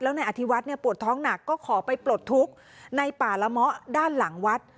นายอธิวัฒน์ปวดท้องหนักก็ขอไปปลดทุกข์ในป่าละเมาะด้านหลังวัด